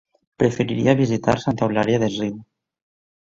Preferiria visitar Santa Eulària des Riu.